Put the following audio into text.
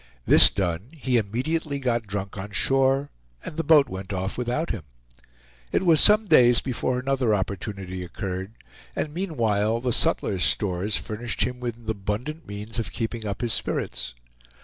This done, he immediately got drunk on shore, and the boat went off without him. It was some days before another opportunity occurred, and meanwhile the sutler's stores furnished him with abundant means of keeping up his spirits.